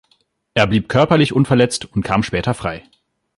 Er blieb körperlich unverletzt und kam später frei.